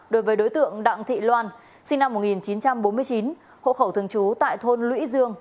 đối với đối tượng đặng thị loan sinh năm một nghìn chín trăm bốn mươi chín hộ khẩu thường trú tại thôn lũy dương